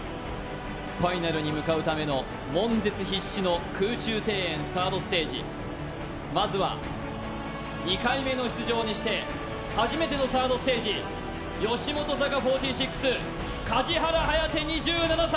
ファイナルに向かうための悶絶必至の空中庭園サードステージまずは２回目の出場にして初めてのサードステージじゃあ楽しんで！